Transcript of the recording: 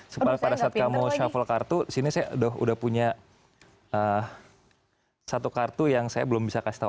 supaya pada saat kamu shuffle kartu sini saya udah punya satu kartu yang saya belum bisa kasih tahu